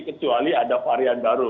kecuali ada varian baru